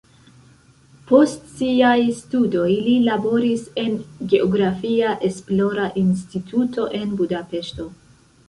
Post siaj studoj li laboris en geografia esplora instituto en Budapeŝto.